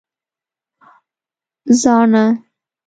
🦩زاڼه